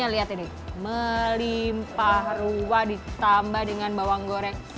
lihatlah melimpah ruang ditambah dengan bawang goreng